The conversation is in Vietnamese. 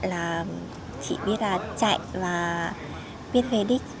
và chỉ biết là chạy và biết về đích